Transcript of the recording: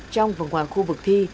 trong vòng hoàng khu vực thi